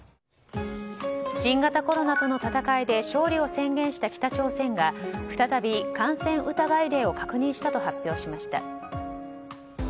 新型コロナとの闘いで勝利を宣言した北朝鮮が再び感染疑い例を確認したと発表しました。